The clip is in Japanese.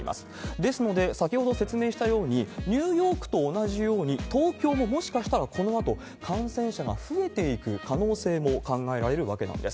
ですので、先ほど説明したように、ニューヨークと同じように東京ももしかしたらこのあと、感染者が増えていく可能性も考えられるわけなんです。